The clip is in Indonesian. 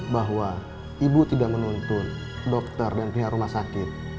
bahwa ibu tidak menuntun dokter dan pihak rumah sakit